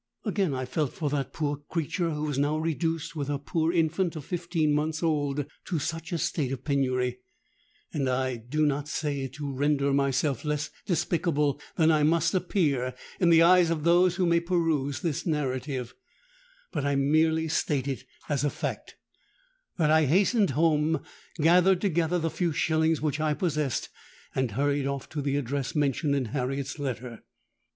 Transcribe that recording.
"Again I felt for that poor creature, who was now reduced, with her poor infant of fifteen months old, to such a state of penury; and I do not say it to render myself less despicable than I must appear in the eyes of those who may peruse this narrative,—but I merely state it as a fact, that I hastened home, gathered together the few shillings which I possessed, and hurried off to the address mentioned in Harriet's letter.